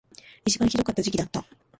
一番ひどかった時期だった